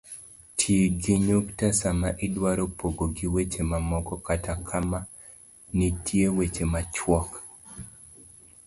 Ti gi nyukta sama idwaro pogogi weche mamoko kata kama nitie weche machuok